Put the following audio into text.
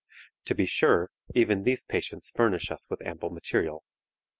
To be sure, even these patients furnish us with ample material.